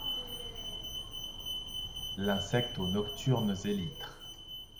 L'insecte aux nocturnes élytres